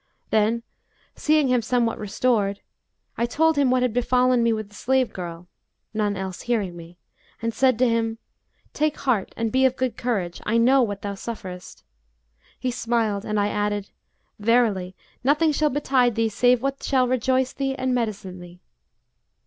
Then, seeing him somewhat restored, I told him what had befallen me with the slave girl (none else hearing me), and said to him, 'Take heart and be of good courage, I know what thou sufferest.' He smiled and I added, 'Verily nothing shall betide thee save what shall rejoice thee and medicine thee.'